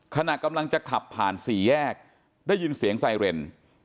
ขณะกำลังจะขับผ่านสี่แยกได้ยินเสียงไซเรน